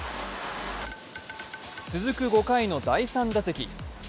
続く５回の第３打席。